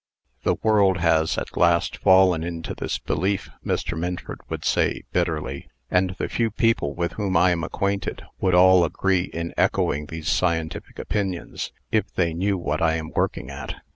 "The world has at last fallen into this belief," Mr. Minford would say, bitterly, "and the few people with whom I am acquainted would all agree in echoing these scientific opinions, if they knew what I am working at.